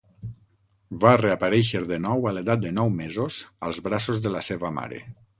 Va reaparèixer de nou a l'edat de nou mesos als braços de la seva mare.